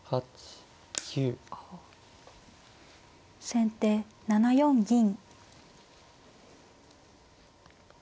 先手７四銀。